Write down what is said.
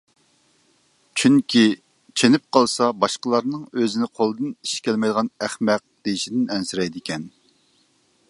چۈنكى، چېنىپ قالسا باشقىلارنىڭ ئۆزىنى قولىدىن ئىش كەلمەيدىغان ئەخمەق دېيىشىدىن ئەنسىرەيدىكەن.